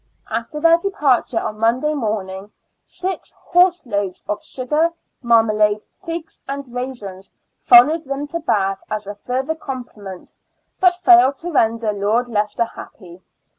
After their departure on Monday morning, six horse loads of sugar, marmalade, figs, and raisons followed them to Bath as a further compliment, but failed to render Lord Leicester happy.